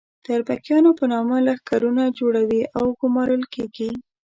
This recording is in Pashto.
د اربکیانو په نامه لښکرونه جوړوي او ګومارل کېږي.